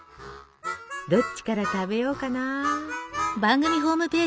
どっちから食べようかな。